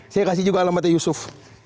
saya kasih juga alamatnya yusuf